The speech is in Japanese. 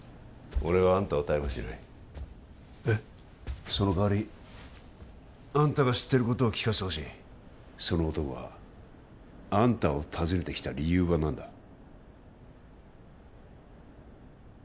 俺はあんたを逮捕しないえっそのかわりあんたが知ってることを聞かせてほしいその男があんたを訪ねてきた理由は何だ？